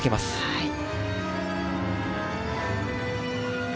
はい。